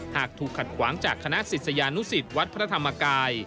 หากถูกขัดขวางจากคณะศิษยานุสิตวัดพระธรรมกาย